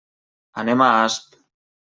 Anem a Asp.